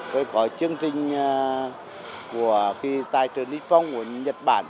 rồi có chương trình tài trợ nít bông của nhật bản